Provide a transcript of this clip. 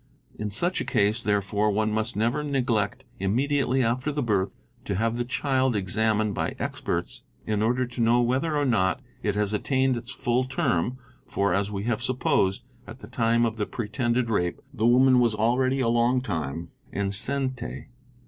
In such a case, therefore, one must never neglect immediately after the birth to have the child exam ined by experts in order to know whether or not it has attained its full term, for, as we have supposed, at the time of the pretended rape the woman was already a long time enceinte.